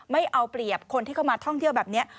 ไม่เอาเปรียบคนที่เข้ามาท่องเที่ยวแบบนี้